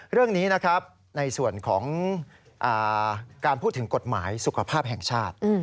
เรื่องนี้นะครับในส่วนของการพูดถึงกฎหมายสุขภาพแห่งชาติ